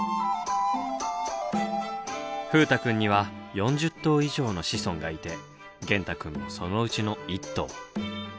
風太くんには４０頭以上の子孫がいて源太くんもそのうちの１頭。